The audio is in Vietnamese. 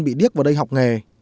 bị điếc vào đây học nghề